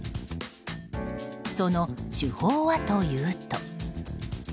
その手法はというと。